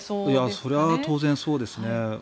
それは当然そうですね。